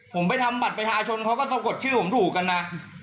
ผมไปทำบัตรประชาชนเขาก็สะกดชื่อผมถูกกันนะ